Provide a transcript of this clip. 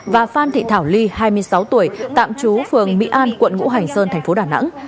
và phan thị thảo ly hai mươi sáu tuổi tạm trú phường mỹ an quận ngũ hành sơn thành phố đà nẵng